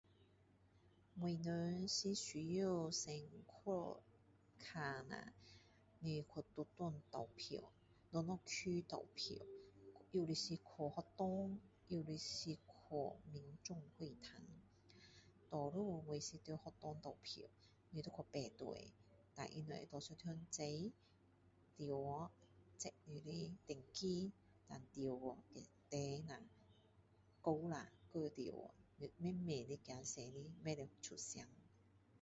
我们是需要先去看下你去哪里投票哪一区投票 有的是去学校有的是去民众会堂多数我是去学校投票你要去排队然后他们会给你一张纸进去check 你的身份证然后进去再排啦交啦丢进去喔慢慢的走出来不可以出声